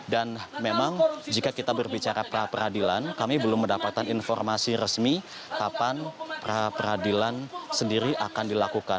dan memang jika kita berbicara pra peradilan kami belum mendapatkan informasi resmi kapan pra peradilan sendiri akan dilakukan